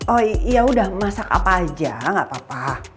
oh iya udah masak apa aja gak apa apa